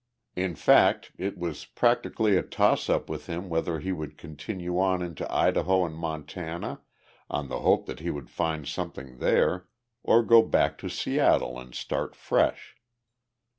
In fact, it was practically a toss up with him whether he would continue on into Idaho and Montana, on the hope that he would find something there, or go back to Seattle and start fresh.